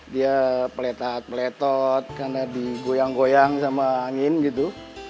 dia peletat peletot karena digoyang goyang sama angin gitu